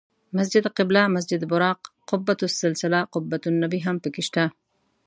مسجد قبله، مسجد براق، قبة السلسله، قبة النبی هم په کې شته.